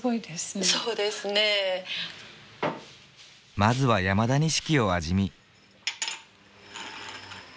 まずは山田錦を味見。